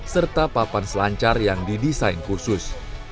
serta papan selancar yang didesain khusus